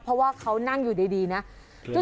เพราะว่าเขานั่งอยู่ดีนะ